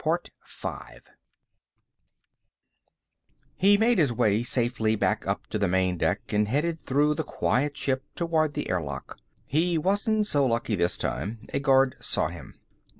He made his way safely back up to the main deck and headed through the quiet ship toward the airlock. He wasn't so lucky this time; a guard saw him.